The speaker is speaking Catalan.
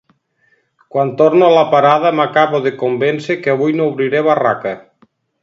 Quan torno a la parada m'acabo de convèncer que avui no obriré barraca.